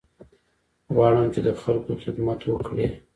غواړم چې د خلکو خدمت وکړې.